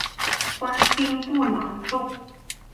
官兵部郎中。